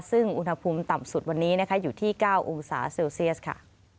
ซึ่งอุณหภูมิต่ำสุดวันนี้นะคะอยู่ที่๙องศาเซลเซียสค่ะ